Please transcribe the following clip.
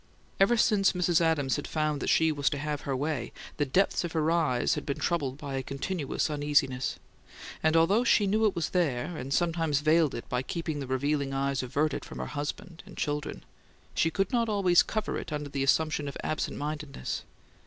Ever since Mrs. Adams had found that she was to have her way, the depths of her eyes had been troubled by a continuous uneasiness; and, although she knew it was there, and sometimes veiled it by keeping the revealing eyes averted from her husband and children, she could not always cover it under that assumption of absent mindedness.